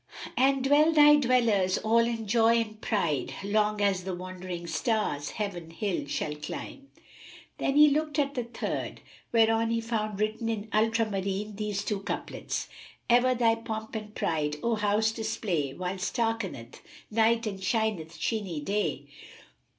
And dwell thy dwellers all in joy and pride * Long as the wandering stars Heaven hill shall climb." Then he looked at the third, whereon he found written in ultramarine these two couplets, "Ever thy pomp and pride, O House! display * While starkeneth Night and shineth sheeny Day!